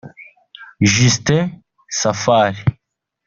-Justin Safari